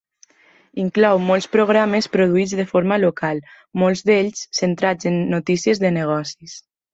Inclou molts programes produïts de forma local, molts d'ells centrats en notícies de negocis.